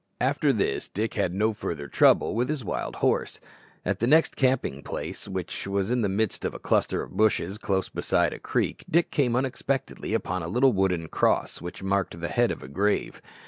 After this Dick had no further trouble with his wild horse. At his next camping place, which was in the midst of a cluster of bushes close beside a creek, Dick came unexpectedly upon a little wooden cross which marked the head of a grave.